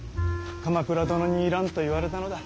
鎌倉殿に要らんと言われたのだ。